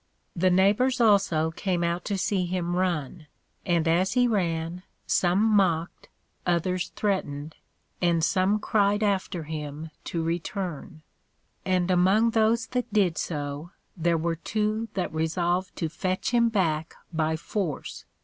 The Neighbors also came out to see him run; and as he ran, some mocked, others threatened, and some cried after him to return; and among those that did so, there were two that resolved to fetch him back by force.